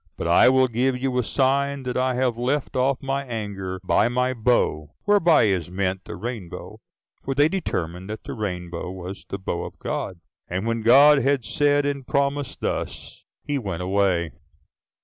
But I will give you a sign that I have left off my anger by my bow." [whereby is meant the rainbow, for they determined that the rainbow was the bow of God]. And when God had said and promised thus, he went away.